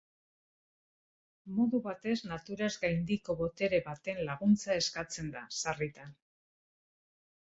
Modu batez naturaz gaindiko botere baten laguntza eskatzen da, sarritan.